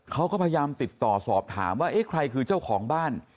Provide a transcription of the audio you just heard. เขาก็พยายามติดต่อสอบถามว่าเอ๊ะใครคือเจ้าของบ้าน